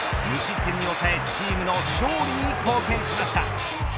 無失点に抑えチームの勝利に貢献しました。